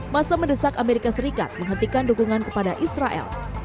masa mendesak amerika serikat menghentikan dukungan kepada israel